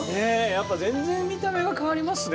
やっぱ全然見た目が変わりますね